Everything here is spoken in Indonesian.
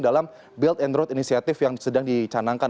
dalam built and road initiative yang sedang dicanangkan